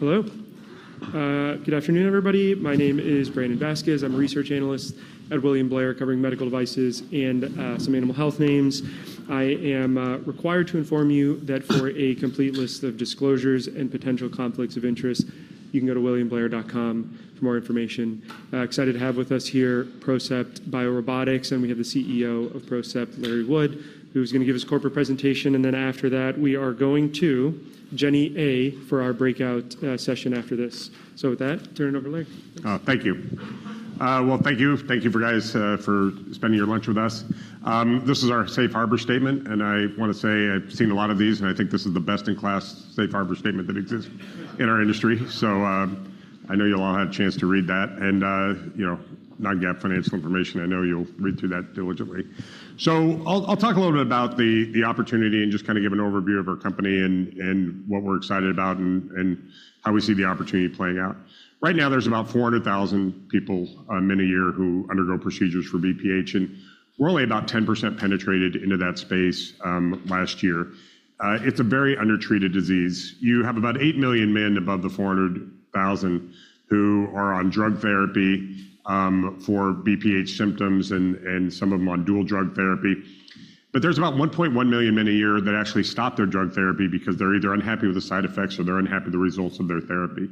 Hello. Good afternoon, everybody. My name is Brandon Vazquez. I'm a research analyst at William Blair, covering medical devices and some animal health names. I am required to inform you that for a complete list of disclosures and potential conflicts of interest, you can go to williamblair.com for more information. Excited to have with us here PROCEPT BioRobotics. We have the CEO of PROCEPT, Larry Wood, who's going to give us a corporate presentation. After that, we are going to Q&A for our breakout session after this. With that, turn it over to Larry. Thank you. Well, thank you. Thank you guys for spending your lunch with us. This is our safe harbor statement, and I want to say I've seen a lot of these, and I think this is the best-in-class safe harbor statement that exists in our industry. I know you'll all have a chance to read that and non-GAAP financial information, I know you'll read through that diligently. I'll talk a little bit about the opportunity and just kind of give an overview of our company and what we're excited about and how we see the opportunity playing out. Right now, there's about 400,000 people, men a year, who undergo procedures for BPH, and we're only about 10% penetrated into that space last year. It's a very undertreated disease. You have about 8 million men above the 400,000 who are on drug therapy for BPH symptoms and some of them on dual drug therapy. There's about 1.1 million men a year that actually stop their drug therapy because they're either unhappy with the side effects or they're unhappy with the results of their therapy.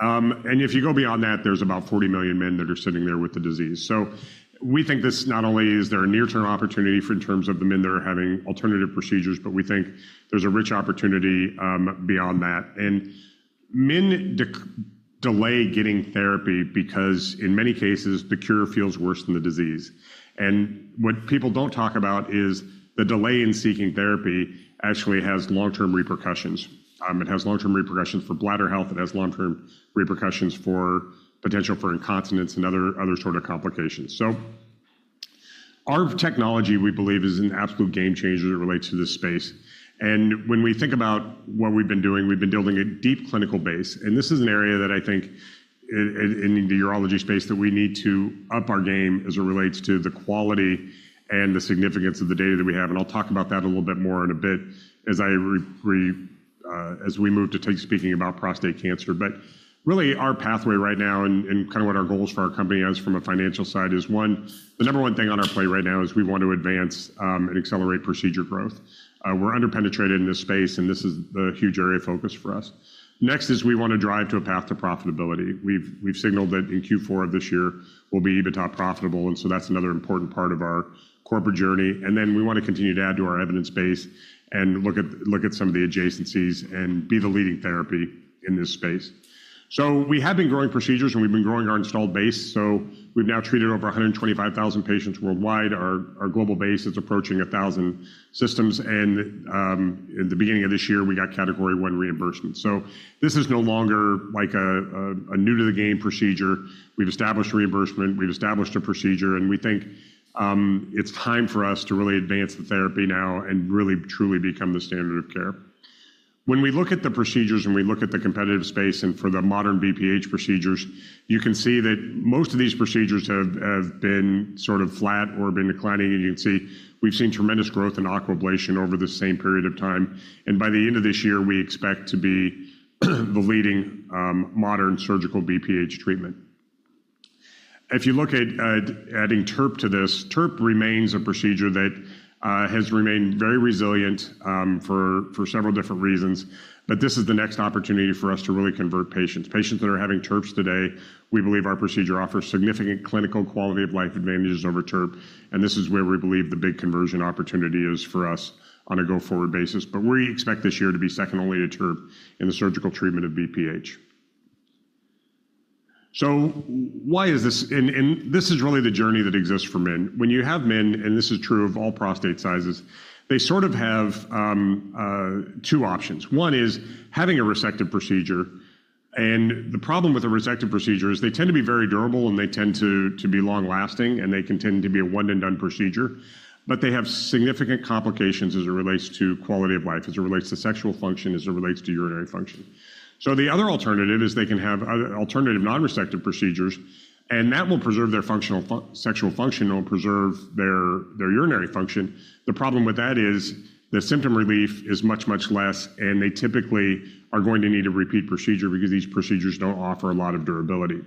If you go beyond that, there's about 40 million men that are sitting there with the disease. We think this not only is there a near-term opportunity for in terms of the men that are having alternative procedures, but we think there's a rich opportunity beyond that. Men delay getting therapy because in many cases, the cure feels worse than the disease. What people don't talk about is the delay in seeking therapy actually has long-term repercussions. It has long-term repercussions for bladder health. It has long-term repercussions for potential for incontinence and other sort of complications. Our technology, we believe, is an absolute game changer that relates to this space. When we think about what we've been doing, we've been building a deep clinical base, and this is an area that I think in the urology space that we need to up our game as it relates to the quality and the significance of the data that we have, and I'll talk about that a little bit more in a bit as we move to speaking about prostate cancer. Really our pathway right now and kind of what our goals for our company is from a financial side is one, the number one thing on our plate right now is we want to advance and accelerate procedure growth. We're under-penetrated in this space, and this is a huge area of focus for us. Next is we want to drive to a path to profitability. We've signaled that in Q4 of this year, we'll be EBITDA profitable, and so that's another important part of our corporate journey. Then we want to continue to add to our evidence base and look at some of the adjacencies and be the leading therapy in this space. We have been growing procedures, and we've been growing our installed base. We've now treated over 125,000 patients worldwide. Our global base is approaching 1,000 systems and at the beginning of this year, we got Category I reimbursement. This is no longer like a new-to-the-game procedure. We've established reimbursement, we've established a procedure, and we think it's time for us to really advance the therapy now and really truly become the standard of care. When we look at the procedures and we look at the competitive space and for the modern BPH procedures, you can see that most of these procedures have been sort of flat or been declining, and you can see we've seen tremendous growth in Aquablation over the same period of time. By the end of this year, we expect to be the leading modern surgical BPH treatment. If you look at adding TURP to this, TURP remains a procedure that has remained very resilient for several different reasons. But this is the next opportunity for us to really convert patients. Patients that are having TURPs today, we believe our procedure offers significant clinical quality of life advantages over TURP, and this is where we believe the big conversion opportunity is for us on a go-forward basis. We expect this year to be second only to TURP in the surgical treatment of BPH. Why is this? This is really the journey that exists for men. When you have men, and this is true of all prostate sizes, they sort of have two options. One is having a resective procedure, and the problem with a resective procedure is they tend to be very durable, and they tend to be long-lasting, and they can tend to be a one-and-done procedure. They have significant complications as it relates to quality of life, as it relates to sexual function, as it relates to urinary function. The other alternative is they can have alternative non-resective procedures, and that will preserve their sexual function. It'll preserve their urinary function. The problem with that is the symptom relief is much, much less, and they typically are going to need a repeat procedure because these procedures don't offer a lot of durability.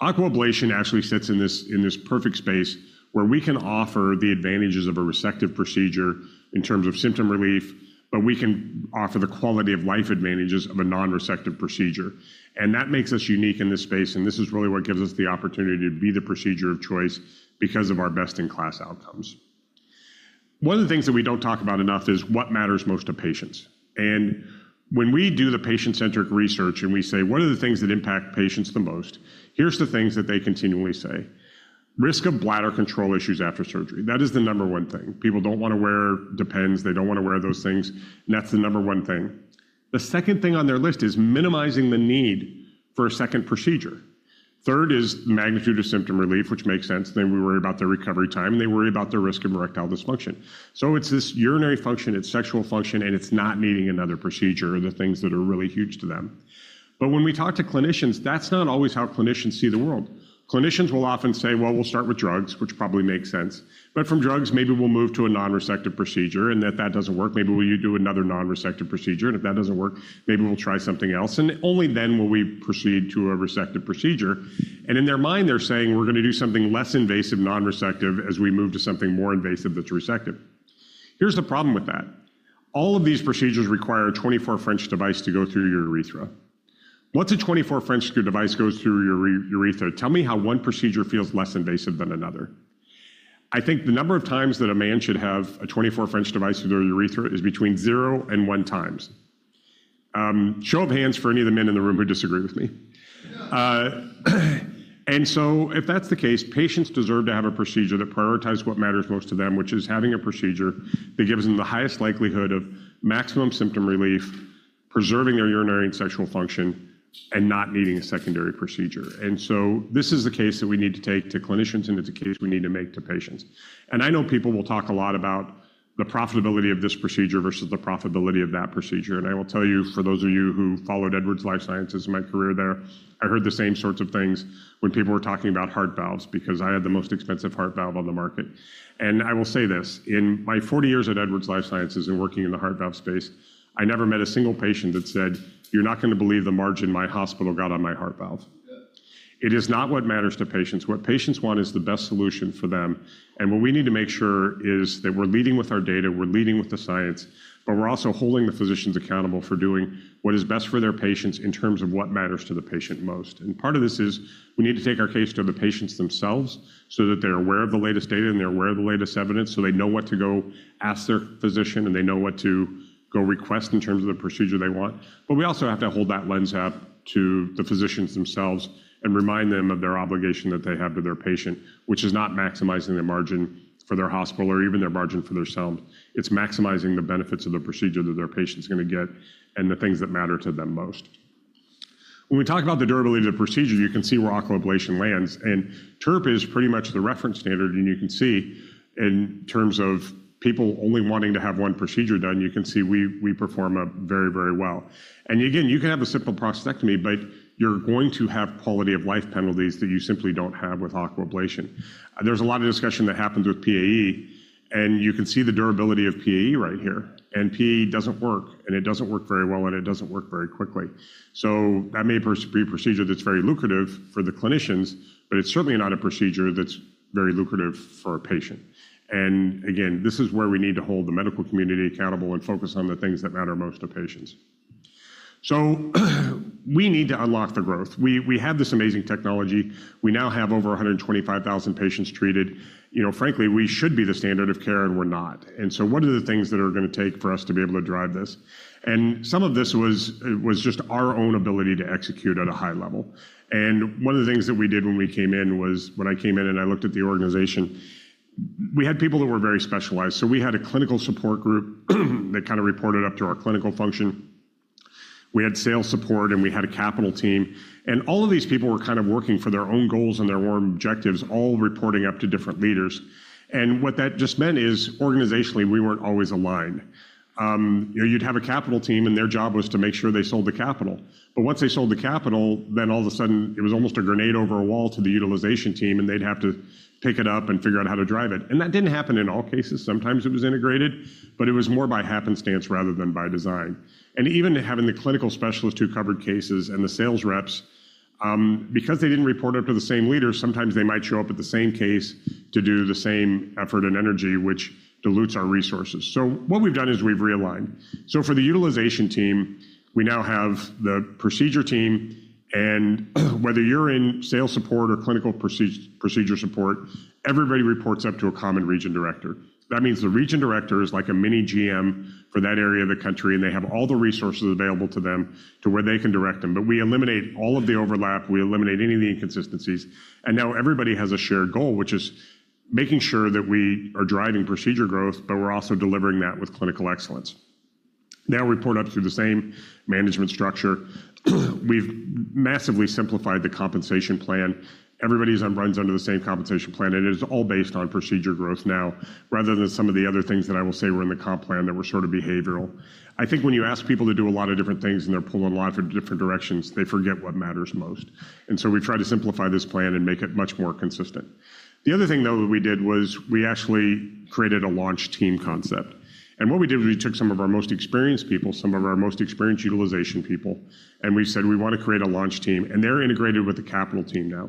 Aquablation actually sits in this perfect space where we can offer the advantages of a resective procedure in terms of symptom relief, but we can offer the quality of life advantages of a non-resective procedure. That makes us unique in this space, and this is really what gives us the opportunity to be the procedure of choice because of our best-in-class outcomes. One of the things that we don't talk about enough is what matters most to patients. When we do the patient-centric research and we say, what are the things that impact patients the most? Here's the things that they continually say. Risk of bladder control issues after surgery. That is the number one thing. People don't want to wear Depends. They don't want to wear those things, and that's the number one thing. The second thing on their list is minimizing the need for a second procedure. Third is magnitude of symptom relief, which makes sense. They worry about their recovery time. They worry about their risk of erectile dysfunction. It's this urinary function, it's sexual function, and it's not needing another procedure are the things that are really huge to them. When we talk to clinicians, that's not always how clinicians see the world. Clinicians will often say, well, we'll start with drugs, which probably makes sense. From drugs, maybe we'll move to a non-resective procedure, and if that doesn't work, maybe we do another non-resective procedure. If that doesn't work, maybe we'll try something else. Only then will we proceed to a resective procedure. In their mind, they're saying, "We're going to do something less invasive non-resective, as we move to something more invasive that's resective." Here's the problem with that. All of these procedures require a 24 French device to go through your urethra. Once a 24 French device goes through your urethra, tell me how one procedure feels less invasive than another. I think the number of times that a man should have a 24 French device through their urethra is between zero and one times. Show of hands for any of the men in the room who disagree with me. If that's the case, patients deserve to have a procedure that prioritizes what matters most to them, which is having a procedure that gives them the highest likelihood of maximum symptom relief, preserving their urinary and sexual function, and not needing a secondary procedure. This is the case that we need to take to clinicians, and it's a case we need to make to patients. I know people will talk a lot about the profitability of this procedure versus the profitability of that procedure. I will tell you, for those of you who followed Edwards Lifesciences and my career there, I heard the same sorts of things when people were talking about heart valves because I had the most expensive heart valve on the market. I will say this, in my 40 years at Edwards Lifesciences and working in the heart valve space, I never met a single patient that said, you're not going to believe the margin my hospital got on my heart valve. It is not what matters to patients. What patients want is the best solution for them. What we need to make sure is that we're leading with our data, we're leading with the science, but we're also holding the physicians accountable for doing what is best for their patients in terms of what matters to the patient most. Part of this is we need to take our case to the patients themselves so that they're aware of the latest data and they're aware of the latest evidence, so they know what to go ask their physician, and they know what to go request in terms of the procedure they want. We also have to hold that lens up to the physicians themselves and remind them of their obligation that they have to their patient, which is not maximizing the margin for their hospital or even their margin for their self. It's maximizing the benefits of the procedure that their patient's going to get and the things that matter to them most. When we talk about the durability of the procedure, you can see where Aquablation lands, and TURP is pretty much the reference standard. You can see in terms of people only wanting to have one procedure done, you can see we perform very well. Again, you can have a simple prostatectomy, but you're going to have quality-of-life penalties that you simply don't have with Aquablation. There's a lot of discussion that happens with PAE, and you can see the durability of PAE right here. PAE doesn't work, and it doesn't work very well, and it doesn't work very quickly. That may be a procedure that's very lucrative for the clinicians, but it's certainly not a procedure that's very lucrative for a patient. Again, this is where we need to hold the medical community accountable and focus on the things that matter most to patients. We need to unlock the growth. We have this amazing technology. We now have over 125,000 patients treated. Frankly, we should be the standard of care, and we're not. What are the things that are going to take for us to be able to drive this? Some of this was just our own ability to execute at a high level. One of the things that we did when we came in was when I came in and I looked at the organization, we had people that were very specialized. We had a clinical support group that kind of reported up to our clinical function. We had sales support, and we had a capital team, and all of these people were kind of working for their own goals and their own objectives, all reporting up to different leaders. What that just meant is, organizationally, we weren't always aligned. You'd have a capital team, and their job was to make sure they sold the capital. Once they sold the capital, then all of a sudden it was almost a grenade over a wall to the utilization team, and they'd have to pick it up and figure out how to drive it. That didn't happen in all cases. Sometimes it was integrated, but it was more by happenstance rather than by design. Even having the clinical specialists who covered cases and the sales reps, because they didn't report up to the same leader, sometimes they might show up at the same case to do the same effort and energy, which dilutes our resources. What we've done is we've realigned. For the utilization team, we now have the procedure team, and whether you're in sales support or clinical procedure support, everybody reports up to a common region director. That means the region director is like a mini GM for that area of the country, and they have all the resources available to them to where they can direct them. We eliminate all of the overlap, we eliminate any of the inconsistencies, and now everybody has a shared goal, which is making sure that we are driving procedure growth, but we're also delivering that with clinical excellence. They all report up through the same management structure. We've massively simplified the compensation plan. Everybody runs under the same compensation plan, and it is all based on procedure growth now, rather than some of the other things that I will say were in the comp plan that were sort of behavioral. I think when you ask people to do a lot of different things and they're pulled in a lot of different directions, they forget what matters most. We try to simplify this plan and make it much more consistent. The other thing, though, that we did was we actually created a launch team concept. What we did was we took some of our most experienced people, some of our most experienced utilization people, and we said we want to create a launch team, and they're integrated with the capital team now.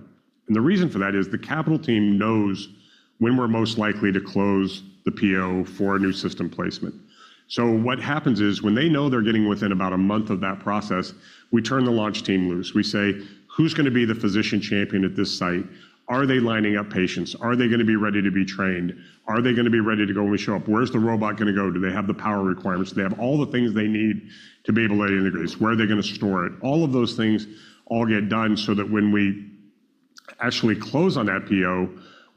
The reason for that is the capital team knows when we're most likely to close the PO for a new system placement. What happens is, when they know they're getting within about a month of that process, we turn the launch team loose. We say, who's going to be the physician champion at this site? Are they lining up patients? Are they going to be ready to be trained? Are they going to be ready to go when we show up? Where's the robot going to go? Do they have the power requirements? Do they have all the things they need to be able to integrate this? Where are they going to store it? All of those things all get done so that when we actually close on that PO,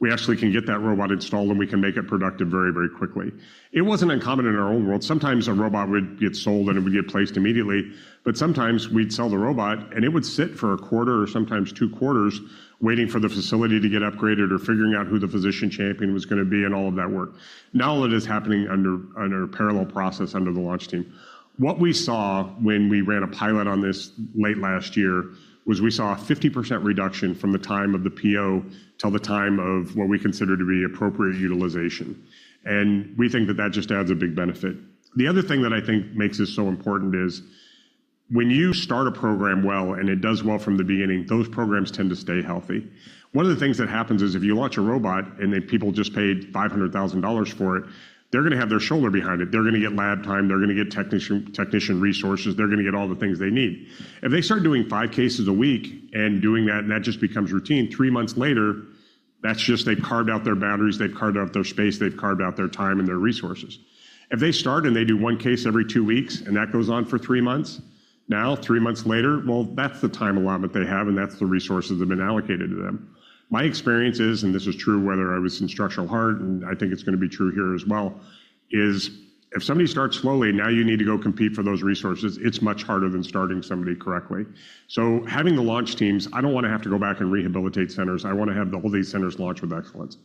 we actually can get that robot installed, and we can make it productive very quickly. It wasn't uncommon in our old world. Sometimes a robot would get sold, and it would get placed immediately, but sometimes we'd sell the robot, and it would sit for a quarter or sometimes two quarters waiting for the facility to get upgraded or figuring out who the physician champion was going to be and all of that work. Now all of it is happening under a parallel process under the launch team. What we saw when we ran a pilot on this late last year was we saw a 50% reduction from the time of the PO till the time of what we consider to be appropriate utilization. We think that that just adds a big benefit. The other thing that I think makes this so important is, when you start a program well, and it does well from the beginning, those programs tend to stay healthy. One of the things that happens is if you launch a robot, and then people just paid $500,000 for it, they're going to have their shoulder behind it. They're going to get lab time. They're going to get technician resources. They're going to get all the things they need. If they start doing five cases a week and doing that, and that just becomes routine, three months later, that's just they've carved out their boundaries. They've carved out their space. They've carved out their time and their resources. If they start and they do one case every two weeks, and that goes on for three months, now, three months later, well, that's the time allotment they have, and that's the resources that have been allocated to them. My experience is, and this is true whether I was in structural heart, and I think it's going to be true here as well, is if somebody starts slowly, now you need to go compete for those resources. It's much harder than starting somebody correctly. Having the launch teams, I don't want to have to go back and rehabilitate centers. I want to have all these centers launch with excellence.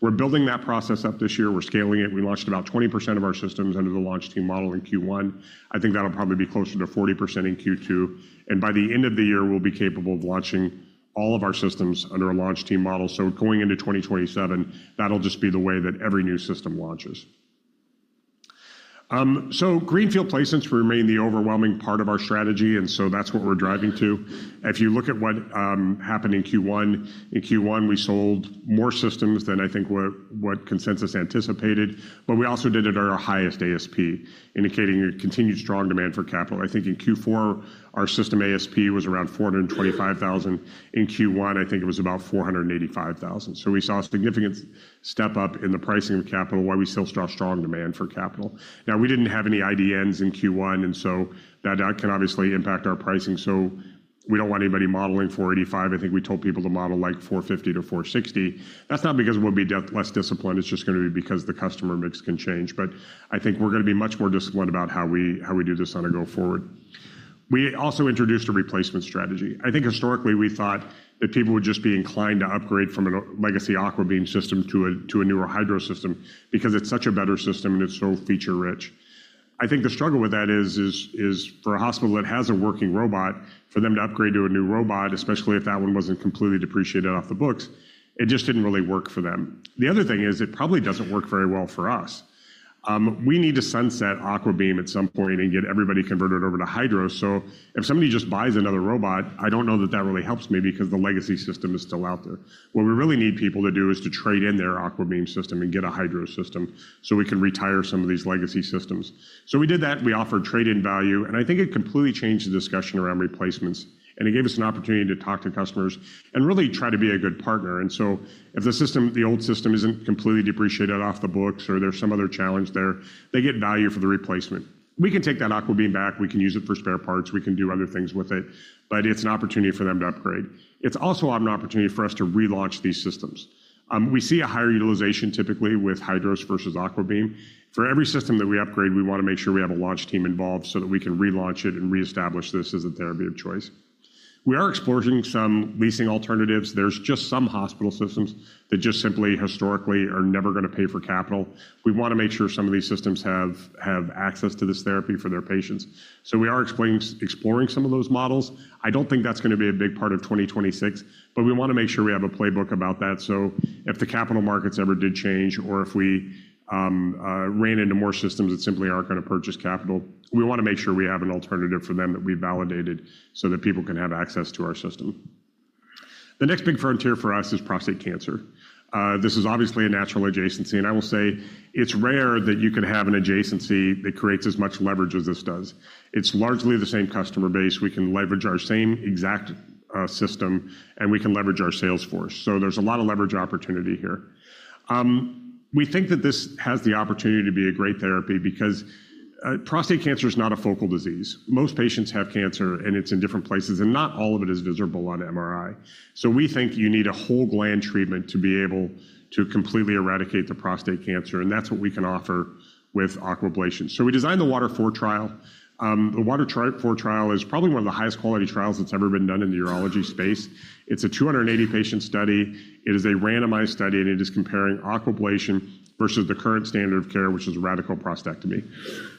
We're building that process up this year. We're scaling it. We launched about 20% of our systems under the launch team model in Q1. I think that'll probably be closer to 40% in Q2. By the end of the year, we'll be capable of launching all of our systems under a launch team model. Going into 2027, that'll just be the way that every new system launches. Greenfield placements remain the overwhelming part of our strategy, and so that's what we're driving to. If you look at what happened in Q1, in Q1, we sold more systems than I think what consensus anticipated, but we also did it at our highest ASP, indicating a continued strong demand for capital. I think in Q4, our system ASP was around $425,000. In Q1, I think it was about $485,000. We saw a significant step-up in the pricing of capital while we still saw strong demand for capital. Now, we didn't have any IDNs in Q1, and so that can obviously impact our pricing. We don't want anybody modeling $485. I think we told people to model $450-$460. That's not because we'll be less disciplined. It's just going to be because the customer mix can change. I think we're going to be much more disciplined about how we do this on a go forward. We also introduced a replacement strategy. I think historically, we thought that people would just be inclined to upgrade from a legacy AquaBeam system to a newer HYDROS system because it's such a better system, and it's so feature-rich. I think the struggle with that is for a hospital that has a working robot, for them to upgrade to a new robot, especially if that one wasn't completely depreciated off the books, it just didn't really work for them. The other thing is it probably doesn't work very well for us. We need to sunset AquaBeam at some point and get everybody converted over to HYDROS. If somebody just buys another robot, I don't know that that really helps me because the legacy system is still out there. What we really need people to do is to trade in their AquaBeam system and get a HYDROS system so we can retire some of these legacy systems. We did that. We offered trade-in value. I think it completely changed the discussion around replacements. It gave us an opportunity to talk to customers and really try to be a good partner. If the old system isn't completely depreciated off the books or there's some other challenge there, they get value for the replacement. We can take that AquaBeam back. We can use it for spare parts. We can do other things with it, but it's an opportunity for them to upgrade. It's also an opportunity for us to relaunch these systems. We see a higher utilization typically with HYDROS versus AquaBeam. For every system that we upgrade, we want to make sure we have a launch team involved so that we can relaunch it and reestablish this as a therapy of choice. We are exploring some leasing alternatives. There's just some hospital systems that just simply historically are never going to pay for capital. We want to make sure some of these systems have access to this therapy for their patients. We are exploring some of those models. I don't think that's going to be a big part of 2026, but we want to make sure we have a playbook about that. If the capital markets ever did change or if we ran into more systems that simply aren't going to purchase capital, we want to make sure we have an alternative for them that we validated so that people can have access to our system. The next big frontier for us is prostate cancer. This is obviously a natural adjacency, and I will say it's rare that you can have an adjacency that creates as much leverage as this does. It's largely the same customer base. We can leverage our same exact system, and we can leverage our sales force. There's a lot of leverage opportunity here. We think that this has the opportunity to be a great therapy because prostate cancer is not a focal disease. Most patients have cancer, and it's in different places, and not all of it is visible on MRI. We think you need a whole gland treatment to be able to completely eradicate the prostate cancer, and that's what we can offer with Aquablation. We designed the WATER IV trial. The WATER IV trial is probably one of the highest quality trials that's ever been done in the urology space. It's a 280-patient study. It is a randomized study, and it is comparing Aquablation versus the current standard of care, which is radical prostatectomy.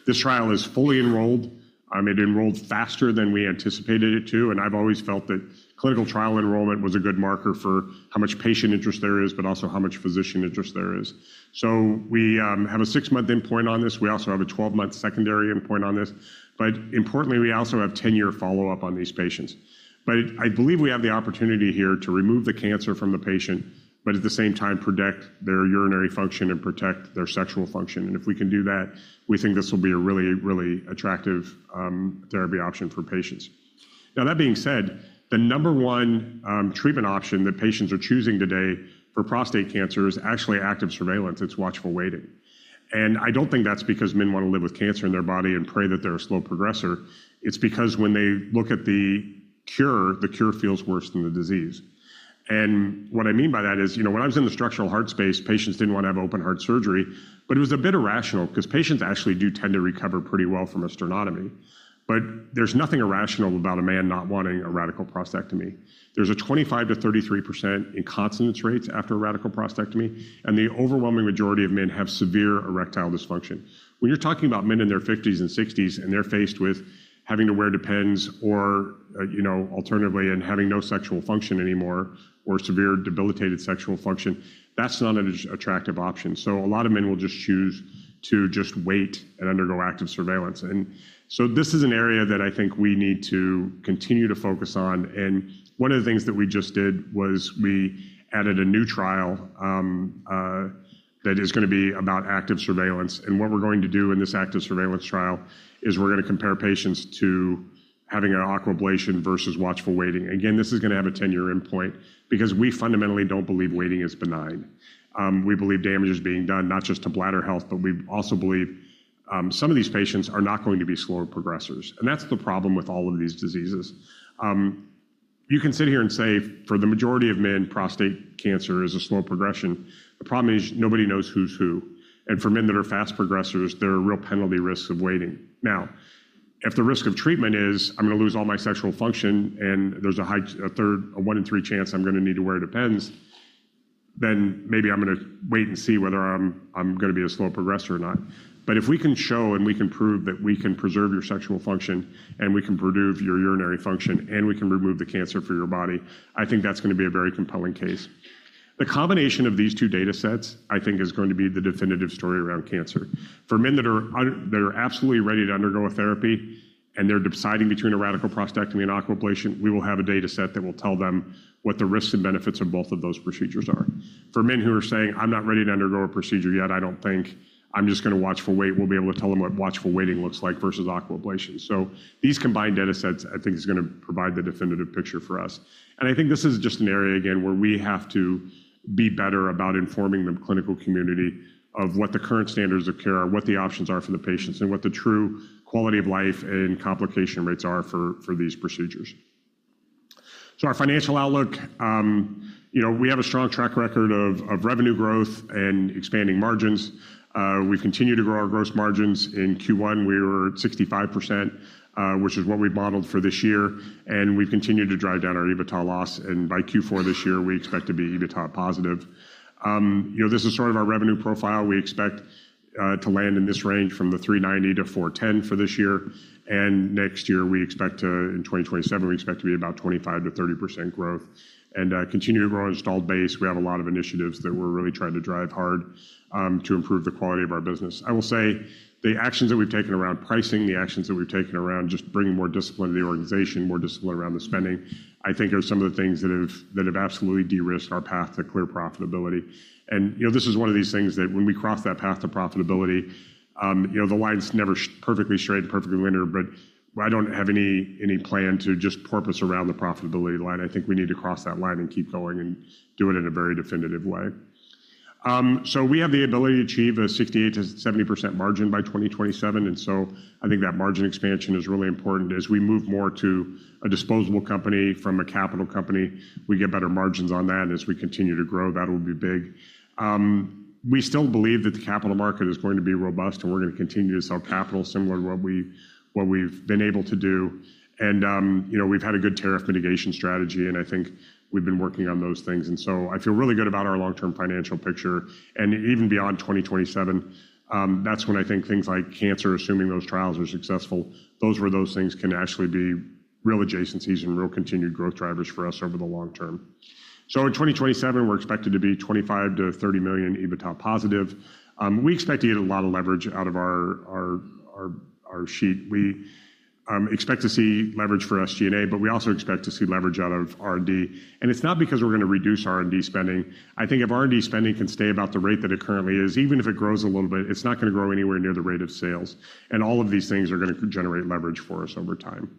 This trial is fully enrolled. It enrolled faster than we anticipated it to, and I've always felt that clinical trial enrollment was a good marker for how much patient interest there is, but also how much physician interest there is. We have a six-month endpoint on this. We also have a 12-month secondary endpoint on this. Importantly, we also have 10-year follow-up on these patients. I believe we have the opportunity here to remove the cancer from the patient, but at the same time protect their urinary function and protect their sexual function. If we can do that, we think this will be a really, really attractive therapy option for patients. That being said, the number one treatment option that patients are choosing today for prostate cancer is actually active surveillance. It's watchful waiting. I don't think that's because men want to live with cancer in their body and pray that they're a slow progressor. It's because when they look at the cure, the cure feels worse than the disease. What I mean by that is, when I was in the structural heart space, patients didn't want to have open heart surgery. It was a bit irrational because patients actually do tend to recover pretty well from a sternotomy. There's nothing irrational about a man not wanting a radical prostatectomy. There's a 25%-33% incontinence rates after a radical prostatectomy, and the overwhelming majority of men have severe erectile dysfunction. When you're talking about men in their 50s and 60s, and they're faced with having to wear Depends or alternatively, and having no sexual function anymore, or severe debilitated sexual function, that's not an attractive option. A lot of men will just choose to just wait and undergo active surveillance. This is an area that I think we need to continue to focus on. One of the things that we just did was we added a new trial that is going to be about active surveillance. What we're going to do in this active surveillance trial is we're going to compare patients to having an Aquablation versus watchful waiting. Again, this is going to have a 10-year endpoint because we fundamentally don't believe waiting is benign. We believe damage is being done not just to bladder health, but we also believe some of these patients are not going to be slow progressors. That's the problem with all of these diseases. You can sit here and say, for the majority of men, prostate cancer is a slow progression. The problem is nobody knows who's who. For men that are fast progressors, there are real penalty risks of waiting. Now, if the risk of treatment is I'm going to lose all my sexual function and there's a one in three chance I'm going to need to wear Depends, then maybe I'm going to wait and see whether I'm going to be a slow progressor or not. If we can show and we can prove that we can preserve your sexual function, and we can preserve your urinary function, and we can remove the cancer from your body, I think that's going to be a very compelling case. The combination of these two data sets, I think, is going to be the definitive story around cancer. For men that are absolutely ready to undergo a therapy and they're deciding between a radical prostatectomy and Aquablation, we will have a data set that will tell them what the risks and benefits of both of those procedures are. For men who are saying, I'm not ready to undergo a procedure yet, I don't think. I'm just going to watchful wait, we'll be able to tell them what watchful waiting looks like versus Aquablation. These combined data sets, I think, is going to provide the definitive picture for us. I think this is just an area, again, where we have to be better about informing the clinical community of what the current standards of care are, what the options are for the patients, and what the true quality of life and comp lication rates are for these procedures. Our financial outlook. We have a strong track record of revenue growth and expanding margins. We continue to grow our gross margins. In Q1, we were at 65%, which is what we modeled for this year, and we've continued to drive down our EBITDA loss, and by Q4 this year, we expect to be EBITDA positive. This is sort of our revenue profile. We expect to land in this range from $390 million-$410 million for this year. Next year, in 2027, we expect to be about 25%-30% growth and continue to grow our installed base. We have a lot of initiatives that we're really trying to drive hard to improve the quality of our business. I will say the actions that we've taken around pricing, the actions that we've taken around just bringing more discipline to the organization, more discipline around the spending, I think are some of the things that have absolutely de-risked our path to clear profitability. This is one of these things that when we cross that path to profitability, the line's never perfectly straight, perfectly linear. I don't have any plan to just porpoise around the profitability line. I think we need to cross that line and keep going and do it in a very definitive way. We have the ability to achieve a 68%-70% margin by 2027. I think that margin expansion is really important. As we move more to a disposable company from a capital company, we get better margins on that. As we continue to grow, that will be big. We still believe that the capital market is going to be robust, and we're going to continue to sell capital similar to what we've been able to do. We've had a good tariff mitigation strategy, and I think we've been working on those things. I feel really good about our long-term financial picture and even beyond 2027. That's when I think things like cancer, assuming those trials are successful, those things can actually be real adjacencies and real continued growth drivers for us over the long term. In 2027, we're expected to be $25 million-$30 million EBITDA positive. We expect to get a lot of leverage out of our sheet. We expect to see leverage for SG&A, but we also expect to see leverage out of R&D. It's not because we're going to reduce R&D spending. I think if R&D spending can stay about the rate that it currently is, even if it grows a little bit, it's not going to grow anywhere near the rate of sales. All of these things are going to generate leverage for us over time.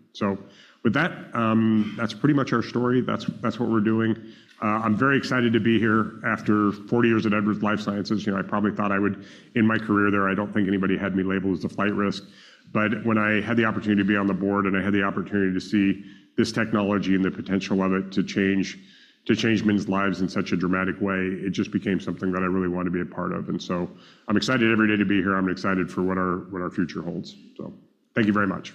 With that's pretty much our story. That's what we're doing. I'm very excited to be here after 40 years at Edwards Lifesciences. I probably thought I would end my career there. I don't think anybody had me labeled as a flight risk. When I had the opportunity to be on the board and I had the opportunity to see this technology and the potential of it to change men's lives in such a dramatic way, it just became something that I really wanted to be a part of. I'm excited every day to be here. I'm excited for what our future holds. Thank you very much